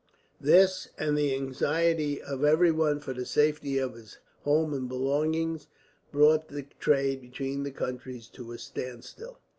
This, and the anxiety of everyone for the safety of his home and belongings, brought the trade between the countries to a standstill.